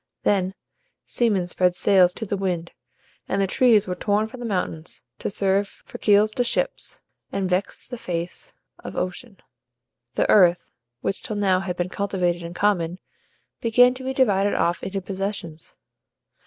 Then seamen spread sails to the wind, and the trees were torn from the mountains to serve for keels to ships, and vex the face of ocean. The earth, which till now had been cultivated in common, began to be divided off into possessions.